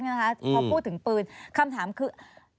พอพูดถึงปืนคำถามคือ